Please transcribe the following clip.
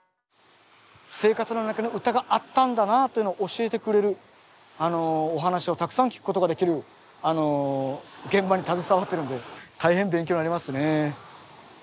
生活の中に唄があったんだなというのを教えてくれるお話をたくさん聞くことができる現場に携わってるんで大変勉強になりますね。